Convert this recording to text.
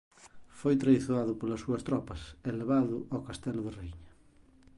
Foi traizoado polas súas tropas e levado ao castelo da raíña